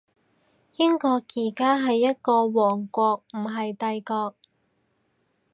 英國而家係一個王國，唔係帝國